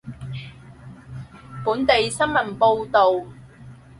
本地新聞報道